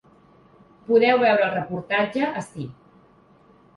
Podeu veure el reportatge ací.